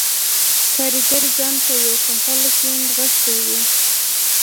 کارګر ځان په یوه کمپله کې نغښتی و